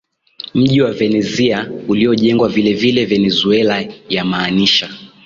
mji wa Venezia uliojengwa vilevile Venezuela yamaanisha